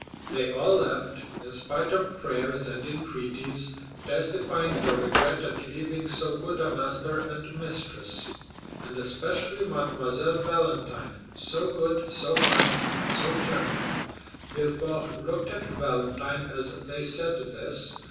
They all left, in spite of prayers and entreaties, testifying their regret at leaving so good a master and mistress, and especially Mademoiselle Valentine, so good, so kind, and so gentle. Villefort looked at Valentine as they said this.